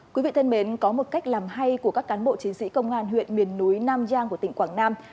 quý vị thân mến có một cách làm hay của các cán bộ chiến sĩ công an huyện miền núi nam giang của tỉnh quảng nam